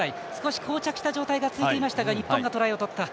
少しこう着した状態が続いていましたが日本がトライを取った。